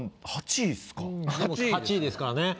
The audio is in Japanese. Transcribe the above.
でも８位ですからね。